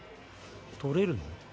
取れるの？